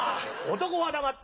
男は黙って。